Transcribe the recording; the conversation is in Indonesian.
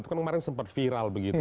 itu kan kemarin sempat viral begitu